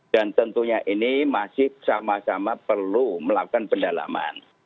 dan tentunya ini masih sama sama perlu melakukan pendalaman